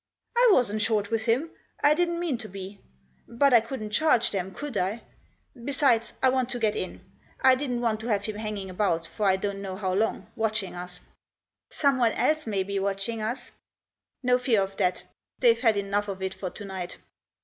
" I wasn't short with him ; I didn't mean to be. But I couldn't charge them — could I? Besides, I want to get in. I didn't want to have him hanging about, for I don't know how long, watching us." 4 " Someone else may be watching us." " No fear of that ; they've had enough of it for to night."